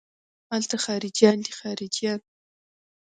الته خارجيان دي خارجيان.